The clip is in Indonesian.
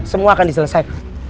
semua akan diselesai